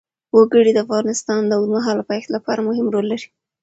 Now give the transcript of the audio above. وګړي د افغانستان د اوږدمهاله پایښت لپاره مهم رول لري.